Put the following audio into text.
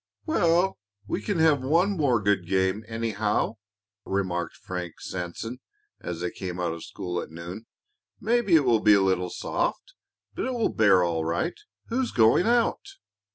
"Well, we can have one more good game, anyhow," remarked Frank Sanson, as they came out of school at noon. "Maybe it will be a little soft, but it will bear all right. Who's going out?"